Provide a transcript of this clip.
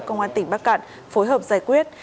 công an tỉnh bắc cạn phối hợp giải quyết